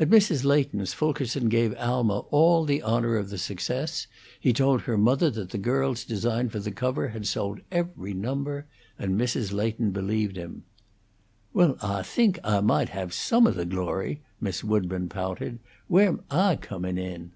At Mrs. Leighton's Fulkerson gave Alma all the honor of the success; he told her mother that the girl's design for the cover had sold every number, and Mrs. Leighton believed him. "Well, Ah think Ah maght have some of the glory," Miss Woodburn pouted. "Where am Ah comin' in?"